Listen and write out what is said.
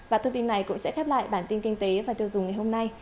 và thông tin này cũng sẽ khép lại bản tin kinh tế và tiêu dùng ngày hôm nay